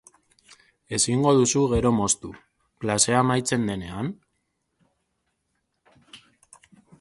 Ezin duzu gero moztu, klasea amaitzen denean?